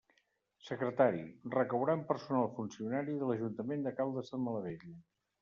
Secretari: recaurà en personal funcionari de l'Ajuntament de Caldes de Malavella.